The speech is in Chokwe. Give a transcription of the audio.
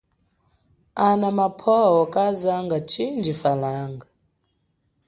Ana mapwo kazanga chindji falanga.